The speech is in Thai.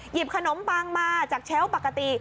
ขนมปังมาจากเชลล์ปกติ